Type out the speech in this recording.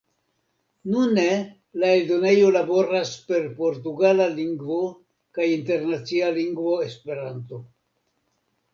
Nune, la eldonejo laboras per portugala lingvo kaj Internacia Lingvo Esperanto.